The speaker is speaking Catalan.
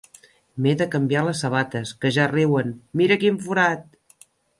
M'he de canviar les sabates, que ja riuen: mira quin forat!